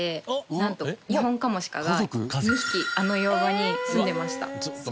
なんとニホンカモシカが２匹あの岩場にすんでました。